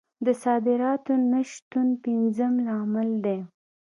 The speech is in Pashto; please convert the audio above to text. د صادراتو نه شتون پنځم لامل دی.